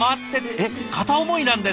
えっ片思いなんですか？